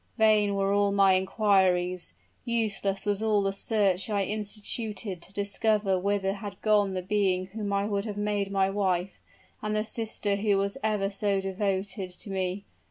Vain were all my inquiries useless was all the search I instituted to discover whither had gone the being whom I would have made my wife, and the sister who was ever so devoted to me!